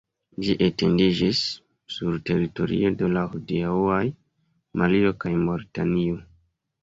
Ĝi etendiĝis sur teritorio de la hodiaŭaj Malio kaj Maŭritanio.